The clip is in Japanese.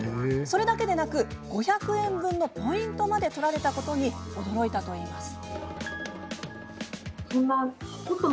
それだけでなく５００円分のポイントまでとられたことに驚いたといいます。